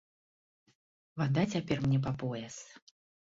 Вада цяпер мне па пояс.